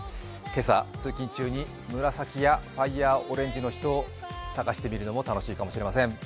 今朝、通勤中に紫やファイアーオレンジの人を探してみるのも楽しいかもしれません。